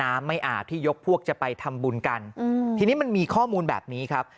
ไม่อาบที่ยกพวกจะไปทำบุญกันอืมทีนี้มันมีข้อมูลแบบนี้ครับ